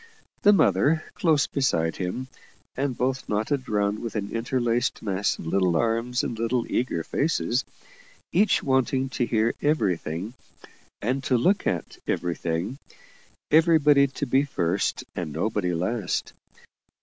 The mother close beside him, and both knotted round with an interlaced mass of little arms and little eager faces, each wanting to hear everything and to look at everything everybody to be first and nobody last.